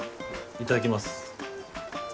いただきます。